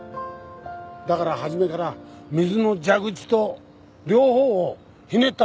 だから初めから水の蛇口と両方をひねったほうがいい。